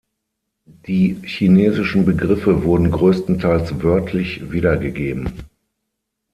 Die chinesischen Begriffe wurden größtenteils wörtlich wiedergegeben.